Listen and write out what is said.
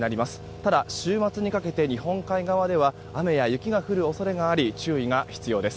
ただ、週末にかけて日本海側では雨や雪が降る恐れがあり注意が必要です。